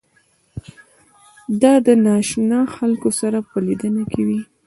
دا د نااشنا خلکو سره په لیدنه کې وي.